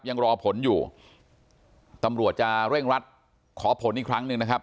ยังรอผลอยู่ตำรวจจะเร่งรัดขอผลอีกครั้งหนึ่งนะครับ